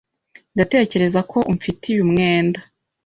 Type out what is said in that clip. Ndatekereza ko umfitiye umwenda.